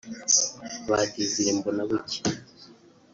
Ba Désiré Mbonabucya